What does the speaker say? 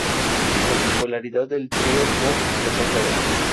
La popularidad del trío pop empezó a caer.